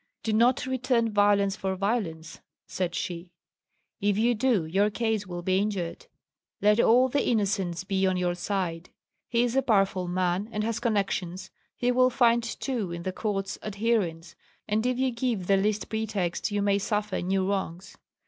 "Do not return violence for violence," said she; "if you do, your case will be injured. Let all the innocence be on your side. He is a powerful man and has connections, he will find too in the courts adherents, and if you give the least pretext you may suffer new wrongs.